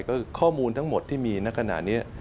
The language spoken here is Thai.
ก็ข้อมูลทั้งหมดที่มีณขณะนี้